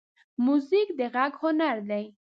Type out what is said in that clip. موزیک د غږ هنر دی.